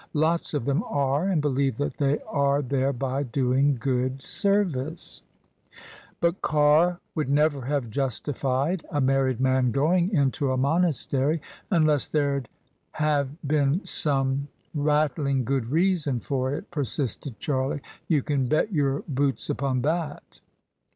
Lots of them are, and believe that they are thereby doing God service." "But Carr would never have justified a married man going into a monastery imless there'd have been some rat THE SUBJECTION tling good reason for it/' persisted Charlie: *'you can bet your boots upon that."